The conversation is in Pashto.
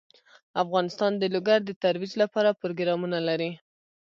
افغانستان د لوگر د ترویج لپاره پروګرامونه لري.